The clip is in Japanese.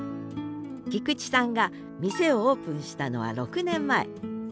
菊地さんが店をオープンしたのは６年前。